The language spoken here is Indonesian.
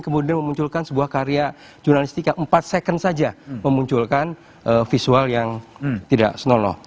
kemudian memunculkan sebuah karya jurnalistik yang empat second saja memunculkan visual yang tidak snoloh